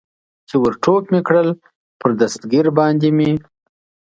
چې ور ټوپ مې کړل، پر دستګیر باندې مې.